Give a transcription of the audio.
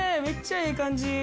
めっちゃええ感じ。